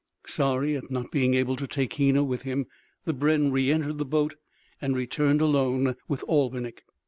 Sorry at not being able to take Hena with him, the brenn re entered his boat and returned alone with Albinik.